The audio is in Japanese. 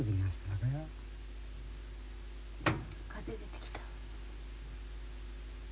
風出てきた。